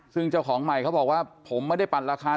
ซึ่งเจ้าของใหม่เขาบอกว่าผมไม่ได้ปั่นราคา